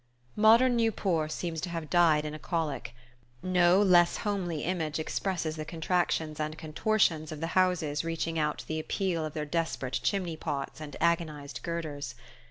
Modern Nieuport seems to have died in a colic. No less homely image expresses the contractions and contortions of the houses reaching out the appeal of their desperate chimney pots and agonized girders.